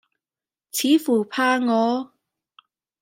似乎怕我，